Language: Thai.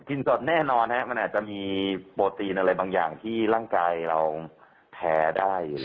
สดแน่นอนมันอาจจะมีโปรตีนอะไรบางอย่างที่ร่างกายเราแพ้ได้